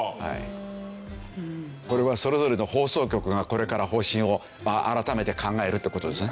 これはそれぞれの放送局がこれから方針を改めて考えるって事ですね。